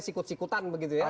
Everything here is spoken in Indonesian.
sikut sikutan begitu ya